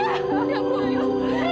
saya minta kamu pergi